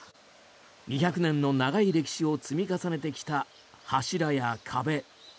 ２００年の長い歴史を積み重ねてきた柱や壁。